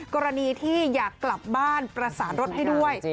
กรณีที่อยากกลับบ้านประสานรถให้ด้วย